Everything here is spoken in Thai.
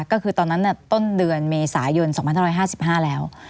ก็คือตอนนั้นต้นเดือนเมษายน๒๕๕๕แล้ว